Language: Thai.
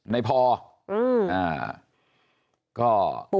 นายพ่อ